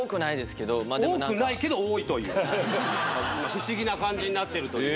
不思議な感じになってるという。